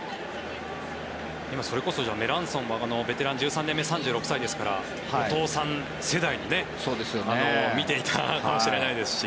今、それこそメランソンもベテラン１３年目３６歳ですから、お父さん世代見ていたかもしれないですし。